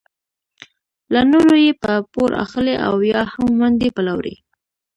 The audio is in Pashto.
له نورو یې په پور اخلي او یا هم ونډې پلوري.